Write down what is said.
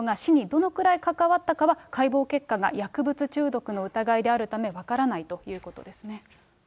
どのくらい関わったかは、解剖結果が薬物中毒の疑いであるため分からないということですね。